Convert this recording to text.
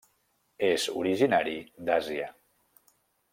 És originari d'Àsia.